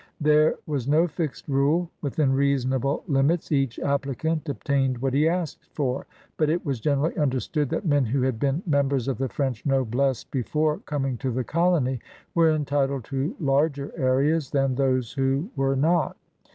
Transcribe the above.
There was no fixed rule; within reasonable limits each applicant obtained what he asked for, but it was generally understood that men who had been members of the French noblesse before coming to the colony were entitled to larger areas than those who were not.